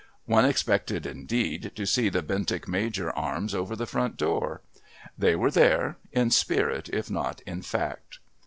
One expected indeed to see the Bentinck Major arms over the front door. They were there in spirit if not in fact.